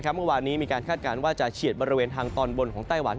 เมื่อวานนี้มีการคาดการณ์ว่าจะเฉียดบริเวณทางตอนบนของไต้หวัน